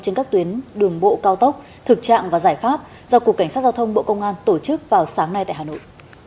trên các tuyến đường bộ cao tốc thực trạng và giải pháp do cục cảnh sát giao thông bộ công an tổ chức vào sáng nay tại hà nội